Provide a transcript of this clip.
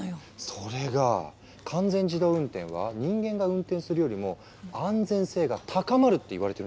それが完全自動運転は人間が運転するよりも安全性が高まるっていわれてるんです。